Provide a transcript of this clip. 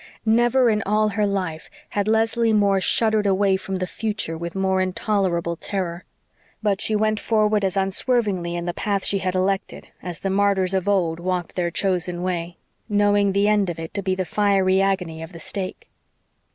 Never in all her life had Leslie Moore shuddered away from the future with more intolerable terror. But she went forward as unswervingly in the path she had elected as the martyrs of old walked their chosen way, knowing the end of it to be the fiery agony of the stake.